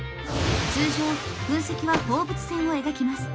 通常噴石は放物線を描きます。